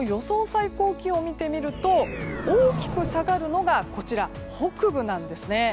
最高気温を見てみると大きく下がるのが北部なんですね。